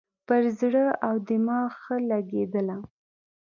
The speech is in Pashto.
پر زړه او دماغ ښه لګېدله.